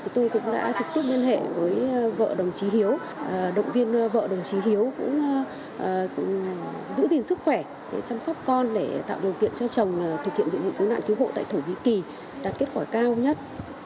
tôi cũng đã trực tiếp liên hệ với vợ đồng chí hiếu động viên vợ đồng chí hiếu cũng giữ gìn sức khỏe chăm sóc con để tạo điều kiện cho chồng thực hiện nhiệm vụ cứu nạn cứu hộ tại thổ nhĩ kỳ đạt kết quả cao nhất